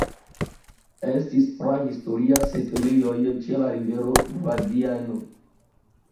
Estis prahistoriaj setlejoj ĉe la rivero Gvadiano.